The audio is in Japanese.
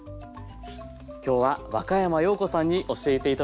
今日は若山曜子さんに教えて頂きました。